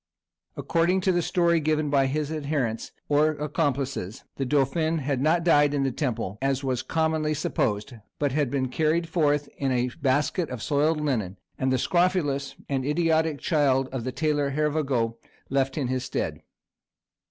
According to the story given by his adherents, or accomplices, the dauphin had not died in the Temple as was commonly supposed, but had been carried forth in a basket of soiled linen, and the scrofulous and idiotic child of the tailor Hervagault left in his stead.